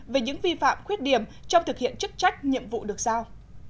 về những vi phạm khuyết điểm trong thực hiện chức trách nhiệm vụ được giao